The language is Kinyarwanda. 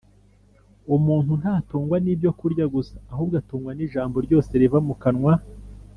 Umuntu ntatungwa n ibyokurya gusa ahubwo atungwa n ijambo ryose riva mu kanwa